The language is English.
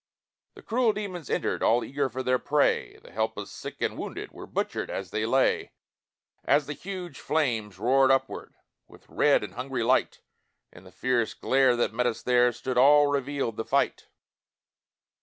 The cruel demons entered, All eager for their prey, The helpless sick and wounded Were butchered as they lay; As the huge flames roared upward With red and hungry light, In the fierce glare that met us there Stood all revealed the fight.